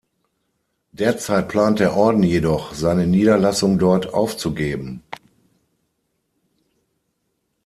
Derzeit plant der Orden jedoch, seine Niederlassung dort aufzugeben.